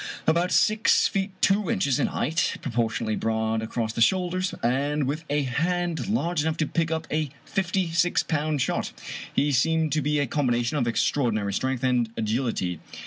About six feet two inches in height, propor tionately broad across the shoulders, and with a hand large enough to pick up a fifty six pound shot, he seemed to be a combination of extraordinary strength and agility.